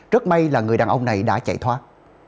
rất may là người đàn ông này đã chạy thoát